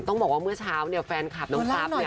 ต้องบอกว่าเมื่อเช้าเนี่ยแฟนคลับน้องปั๊บเนี่ย